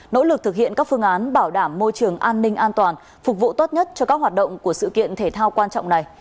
nỗ lực thực hiện các phương án bảo đảm môi trường an ninh an toàn phục vụ tốt nhất cho các hoạt động của sự kiện thể thao quan trọng này